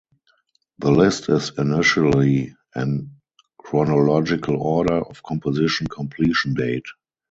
The list is initially in chronological order of composition completion date.